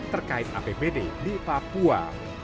terkait apbd di papua